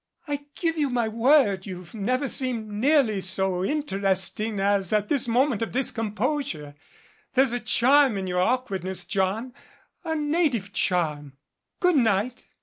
I give you my word you've never seemed nearly so interesting as at this moment of discomposure. There's a charm in your awkwardness, John, a native charm. Good night.